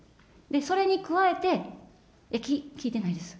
それに加えて、聞いてないです。